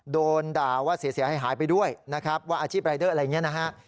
โดนด่าว่าเสียหายไปด้วยนะครับว่าอาชีพรายเดอร์อะไรอย่างนี้นะฮะ